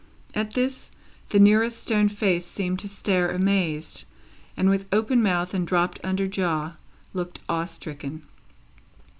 At this, the nearest stone face seemed to stare amazed, and, with open mouth and dropped under jaw, looked awe stricken.